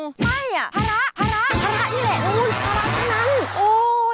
ไม่ภาระภาระภาระนี่แหละนั่นภาระเท่านั้น